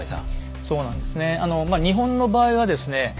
そうなんですね。